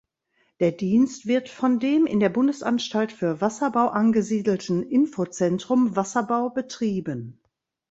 Der Dienst wird von dem in der Bundesanstalt für Wasserbau angesiedelten Infozentrum Wasserbau betrieben.